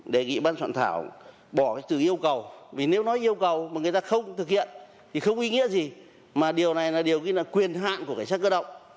đề nghị ban soạn thảo bỏ cái từ yêu cầu vì nếu nói yêu cầu mà người ta không thực hiện thì không ý nghĩa gì mà điều này là điều như là quyền hạn của cảnh sát cơ động